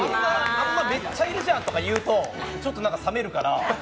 あんまめっちゃいるじゃんとか言うとちょっとさめるから。